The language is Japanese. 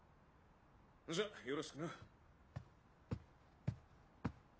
・じゃよろしくな。